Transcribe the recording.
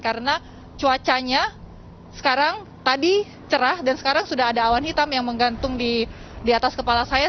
karena cuacanya sekarang tadi cerah dan sekarang sudah ada awan hitam yang menggantung di atas kepala saya